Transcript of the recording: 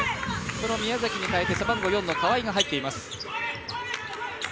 その宮崎に代えて背番号４の川井が入っています。